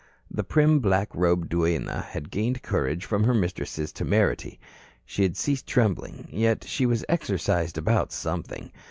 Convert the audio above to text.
The prim, black robed duenna had gained courage from her mistress's temerity. She had ceased trembling. Yet she was exercised about something.